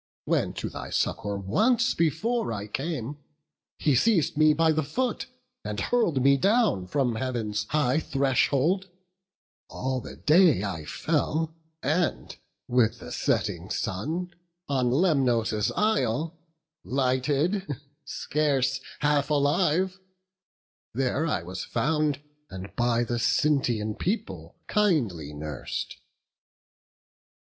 When to thy succour once before I came, He seiz'd me by the foot, and hurl'd me down From Heav'n's high threshold; all the day I fell, And with the setting sun, on Lemnos' isle Lighted, scarce half alive; there was I found, And by the Sintian people kindly nurs'd."